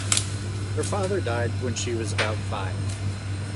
Her father died when she was about five.